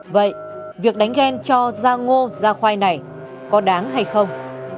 vậy việc đánh ghen cho da ngô da khoai này có đáng hay không